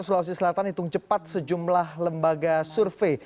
sulawesi selatan hitung cepat sejumlah lembaga survei